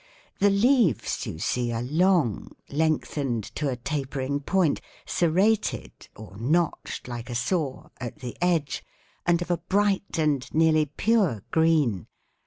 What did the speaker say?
The leaves, you see, are long, lengthened to a tapering point, serrated or notched like a saw at the edge, and of a bright and nearly pure green.